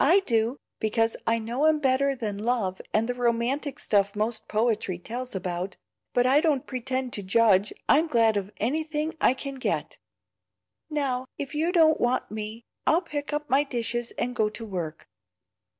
"I do, because I know 'em better than love and the romantic stuff most poetry tells about. But I don't pretend to judge, I'm glad of anything I can get. Now if you don't want me I'll pick up my dishes and go to work."